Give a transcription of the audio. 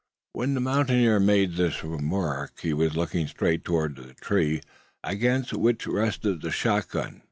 When the mountaineer made this remark he was looking straight toward the tree, against which rested the shotgun.